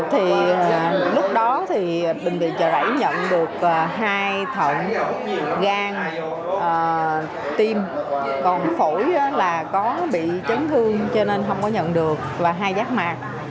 thì lúc đó thì bệnh viện chợ rẫy nhận được hai thận gan tim còn phổi là có bị chấn thương cho nên không có nhận được và hai giác mạc